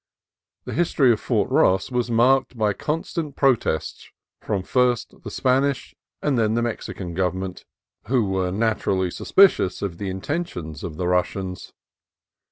The history of Fort Ross was marked by constant protests from first the Spanish and then the Mexican Government, who were nat 262 CALIFORNIA COAST TRAILS urally suspicious of the intentions of the Russians.